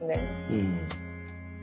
うん。